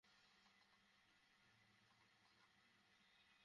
ঠিক আছে, Mr Whitaker, আমাদের প্রশ্ন প্রায় শেষ।